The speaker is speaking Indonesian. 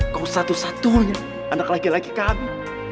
kau satu satunya anak laki laki kami